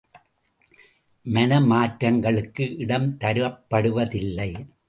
மன மாற்றங்களுக்கு இடம் தரப்படுவதில்லை.